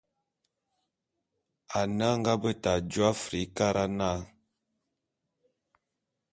Ane a nga beta jô Afrikara na.